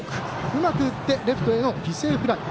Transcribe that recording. うまく打ってレフトへの犠牲フライ。